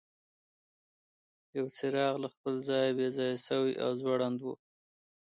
یو څراغ له خپل ځایه بې ځایه شوی او ځوړند و.